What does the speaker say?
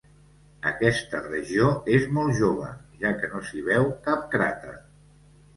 Aquesta regió és molt jove, ja que no s'hi veu cap cràter.